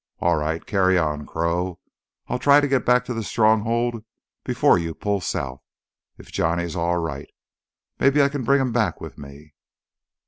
"All right, carry on, Crow. I'll try to get back to the Stronghold before you pull south—if Johnny's all right. Maybe I can bring him back with me."